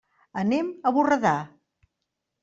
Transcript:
Anem a Borredà.